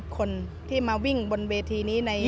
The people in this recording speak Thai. คนที่มาวิ่งบนเวทีนี้